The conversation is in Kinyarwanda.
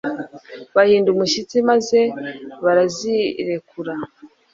bahinda umushyitsi maze barazirekura.